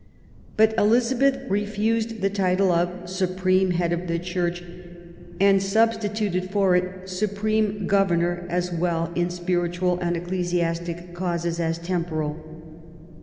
But Elizabeth refused the title of " Supreme Head of the Church/* and substituted for it Supreme Governor as well in spnitual and ecclesiastical causes as temporal*'.